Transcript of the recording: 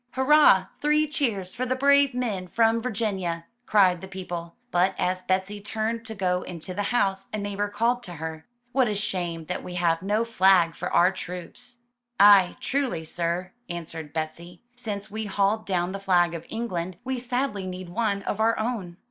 ^'Hurrah! Three cheers for the brave men from Virginia!" cried the people. But as Betsy turned to go into the house, a neighbor called to her: *'What a shame that we have no flag for our troops." *'Aye, truly, sir!" answered Betsy. ''Since we hauled down the flag of England, we sadly need one of our own.